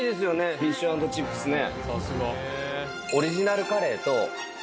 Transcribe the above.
フィッシュ＆チップスね。